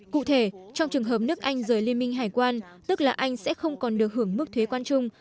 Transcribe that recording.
cụ thể trong trường hợp nước anh rời liên minh hải quan tức là anh sẽ không còn được hưởng mức thuế quan chung